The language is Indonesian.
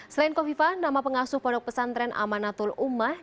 selain kofifah nama pengasuh produk pesantren amanatul umah